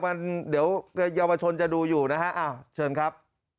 มันเดี๋ยวเยาวชนจะดูอยู่นะฮะเชิญครับ